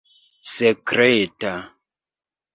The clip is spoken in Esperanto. sekreta